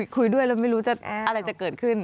คุยด้วยแล้วไม่รู้จะอะไรจะเกิดขึ้น